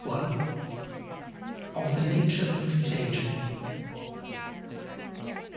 OF THE NATURE OF CONTAGION.